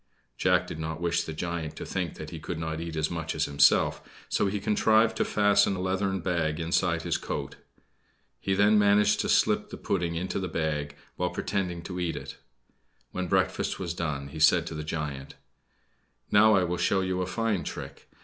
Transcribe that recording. Jack did not wish the giant to think that he could not eat as much as himself, so he contrived to fasten a leathern bag inside his coat. He then managed to slip the pudding into this bag, while pretending to eat it. When breakfast was done, he said to the giant: "Now I will show you a fine trick.